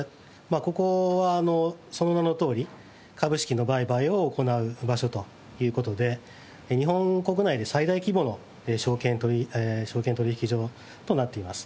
ここはその名のとおり株式の売買を行う場所という事で日本国内で最大規模の証券取引所となっています。